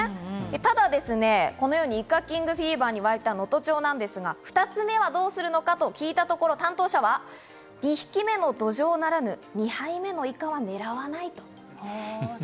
ただイカキングフィーバーには沸いた能登町なんですが、２つ目はどうするのか？と聞いたところ、担当者は２匹目のドジョウならぬ、２杯目のイカは狙わない。